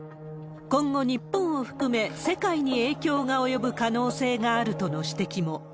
今後、日本を含め世界に影響が及ぶ可能性があるとの指摘も。